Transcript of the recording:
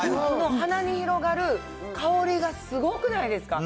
あと鼻に広がる香りがすごくないですか。